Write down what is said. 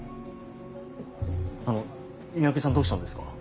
あの三宅さんどうしたんですか？